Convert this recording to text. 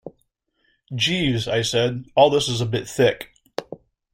"Jeeves," I said, "all this is a bit thick."